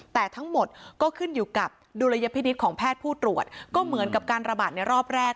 แต่ทั้งหมดก็ขึ้นอยู่กับดุลยพินิษฐ์ของแพทย์ผู้ตรวจก็เหมือนกับการระบาดในรอบแรก